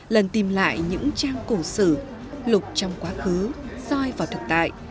lần tìm lại những trang cổ xử lục trong quá khứ roi vào thực tại